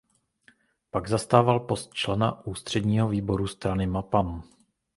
Pak zastával post člena ústředního výboru strany Mapam.